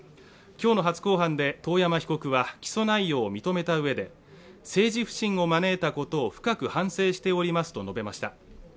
今日の初公判で遠山被告は起訴内容を認めたうえで政治不信を招いたことを深く反省しておりますと述べました。